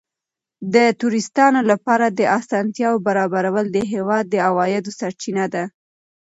د توریستانو لپاره د اسانتیاوو برابرول د هېواد د عوایدو سرچینه ده.